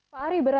pak ari berarti